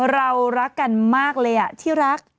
เรารักกันมากเลยที่รัก